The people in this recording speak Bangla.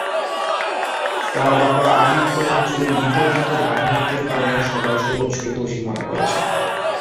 তাঁর বাবা আদিত্য পাঞ্চোলির বিতর্কিত ভাবমূর্তির কারণেই সবাই সুরজকে দোষী মনে করছেন।